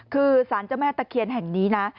คือสารเจ้าแม่ตะเคียนแห่งนี้นะ